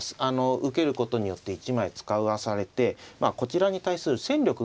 受けることによって１枚使わされてこちらに対する戦力が不足すると。